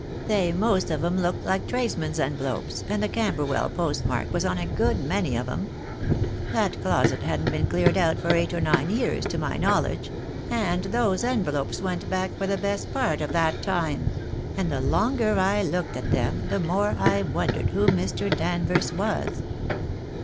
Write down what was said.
They most of 'em looked like tradesmen's envelopes, and the Camberwell post mark was on a good many of 'em. That closet hadn't been cleared out for eight or nine years, to my knowledge, and those envelopes went back for the best part of that time, and the longer I looked at them the more I wondered who Mr. Danvers was."